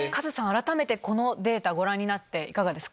改めてこのデータご覧になっていかがですか？